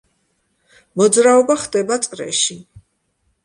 მოძრაობა ხდება წრეში.